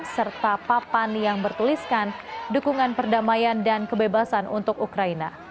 serta papan yang bertuliskan dukungan perdamaian dan kebebasan untuk ukraina